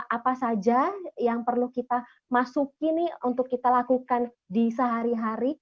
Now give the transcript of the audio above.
apa saja yang perlu kita masuki nih untuk kita lakukan di sehari hari